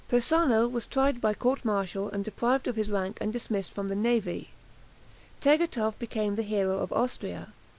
Persano was tried by court martial and deprived of his rank and dismissed from the navy. Tegethoff became the hero of Austria.